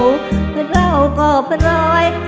อุ่นอกเค้าเราก็ปล่อย